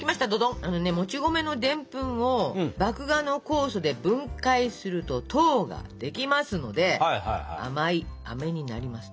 あのねもち米のでんぷんを麦芽の酵素で分解すると糖ができますので甘いあめになりますと。